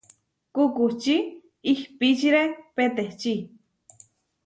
Kukuči ihpíčire peteči.